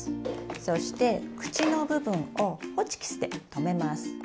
そして口の部分をホチキスでとめます。